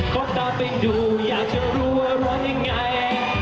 ก็ตามไปดูอยากจะรู้ว่ารักยังไง